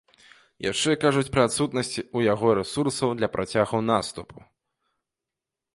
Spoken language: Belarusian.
Яшчэ кажуць пра адсутнасць у яго рэсурсаў для працягу наступу.